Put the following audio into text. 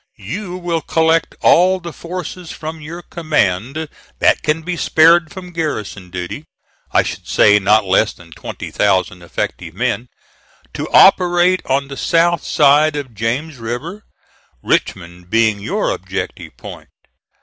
You will collect all the forces from your command that can be spared from garrison duty I should say not less than twenty thousand effective men to operate on the south side of James River, Richmond being your objective point.